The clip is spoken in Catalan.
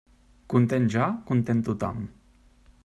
Content jo, content tothom.